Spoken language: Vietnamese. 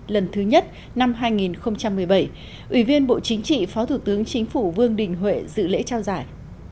lần thứ nhất năm hai nghìn một mươi bảy ủy viên bộ chính trị phó thủ tướng chính phủ vương đình huệ dự lễ trao giải